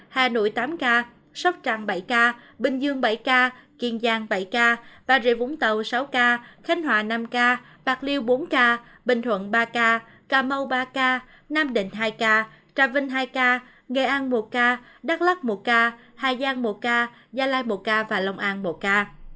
hà nội tám ca sóc trăng bảy ca bình dương bảy ca kiên giang bảy ca bà rịa vũng tàu sáu ca khánh hòa năm ca bạc liêu bốn ca bình thuận ba ca cà mau ba ca nam định hai ca trà vinh hai ca nghệ an một ca đắk lắc một ca hà giang một ca gia lai một ca và long an một ca